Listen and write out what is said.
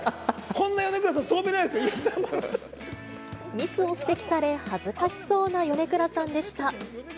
こんな米倉さん、そう見らミスを指摘され、恥ずかしそうな米倉さんでした。